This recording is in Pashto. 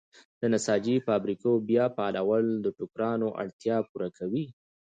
د نساجۍ فابریکو بیا فعالول د ټوکرانو اړتیا پوره کوي.